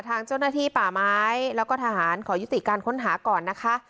ทางเจ้าหน้าที่ป่าไม้แล้วก็ทหารขอยุติการค้นหาก่อนนะคะ